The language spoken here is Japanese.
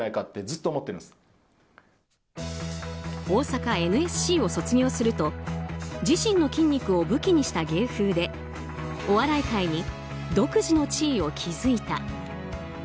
大阪ＮＳＣを卒業すると自身の筋肉を武器にした芸風でお笑い界に独自の地位を築いた。